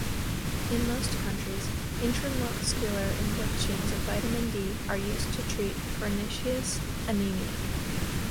In most countries, intramuscular injections of vitamin B are used to treat pernicious anemia.